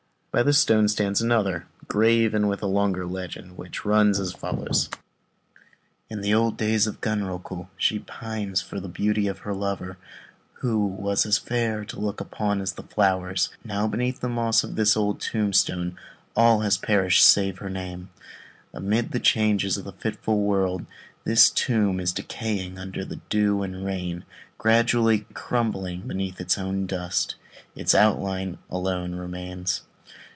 By this stone stands another, graven with a longer legend, which runs as follows: "In the old days of Genroku, she pined for the beauty of her lover, who was as fair to look upon as the flowers; and now beneath the moss of this old tombstone all has perished of her save her name. Amid the changes of a fitful world, this tomb is decaying under the dew and rain; gradually crumbling beneath its own dust, its outline alone remains.